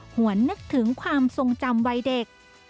หวนนึกถึงความทรงจำวัยเด็ก